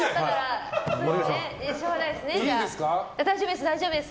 私は大丈夫です。